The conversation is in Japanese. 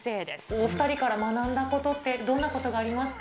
お２人から学んだことって、どんなことがありますか？